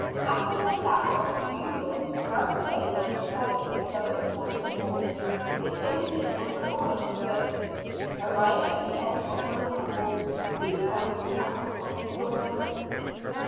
After the lapse of a few minutes, Master Raymond followed, going towards the wharves, which in the evening were almost deserted. Arrived at the end of one of the wharves, he found the Captain of the Storm King.